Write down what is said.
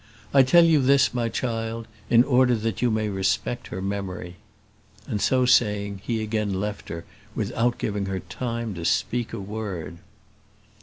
I tell you this, my child, in order that you may respect her memory;" and so saying, he again left her without giving her time to speak a word.